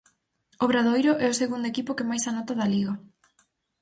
Obradoiro é o segundo equipo que máis anota da Liga.